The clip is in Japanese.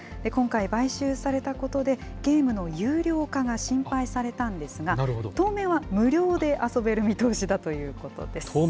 今回買収されたことで、ゲームの有料化が心配されたんですが、当面は無料で遊べる見通しだということです。